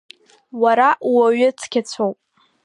Уара ууаҩы цқьацәоуп.